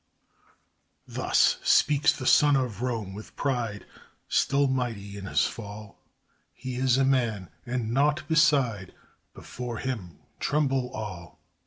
Thus speaks the son of Rome with pride, Still mighty in his fall; He is a man, and naught beside, Before him tremble all.